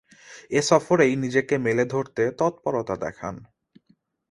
এ সফরেই নিজেকে মেলে ধরতে তৎপরতা দেখান।